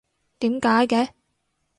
點解嘅？